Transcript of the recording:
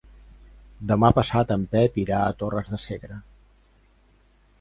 Demà passat en Pep irà a Torres de Segre.